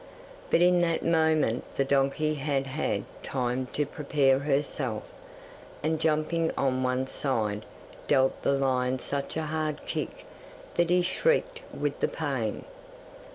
But in that moment the donkey had had time to prepare herself, and jumping on one side dealt the lion such a hard kick that he shrieked with the pain.